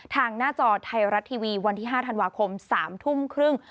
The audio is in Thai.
หน้าจอไทยรัฐทีวีวันที่๕ธันวาคม๓ทุ่มครึ่ง